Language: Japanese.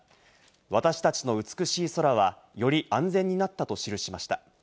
私たちの美しい空はより安全になったと記しました。